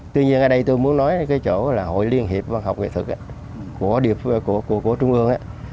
tuy nhiên ở đây tôi muốn nói cái chỗ là hội liên hiệp văn học nghệ thuật của trung ương